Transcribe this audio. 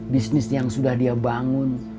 bisnis yang sudah dia bangun